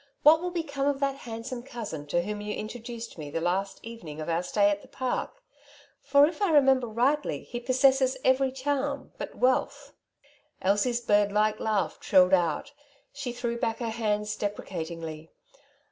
What will become of that handsome cousin to whom Wealth versus Poverty. 103 you introduced me the last evening of our stay at the Park ; for, if I remember rightly, he possesses every charm but wealth ?*' Elsie^s bird like laugh trilled out. "She threw back her hands deprecatingly.